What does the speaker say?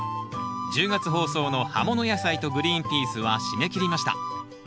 １０月放送の「葉もの野菜」と「グリーンピース」は締め切りました。